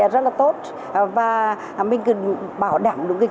sang thị trường trung quốc